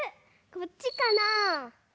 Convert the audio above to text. こっちかな？